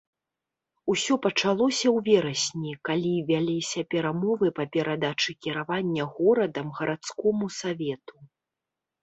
Усё пачалося ў верасні, калі вяліся перамовы па перадачы кіравання горадам гарадскому савету.